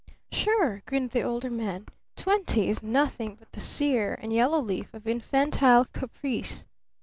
"Sure!" grinned the Older Man. "Twenty is nothing but the 'sere and yellow leaf' of infantile caprice!